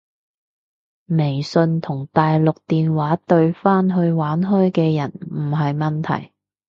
微信同大陸電話對返去玩開嘅人唔係問題